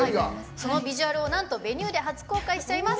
ビジュアルを「Ｖｅｎｕｅ」で初公開しちゃいます。